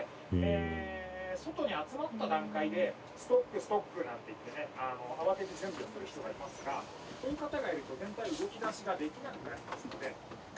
えー外に集まった段階でストックストックなんていってね慌てて準備をする人がいますがそういう方がいると全体動きだしができなくなりますので。